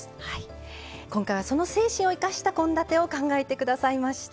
今回はその精神を生かした献立を考えて下さいました。